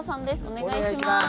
お願いします。